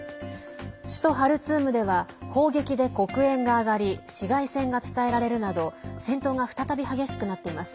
首都ハルツームでは砲撃で黒煙が上がり市街戦が伝えられるなど戦闘が再び激しくなっています。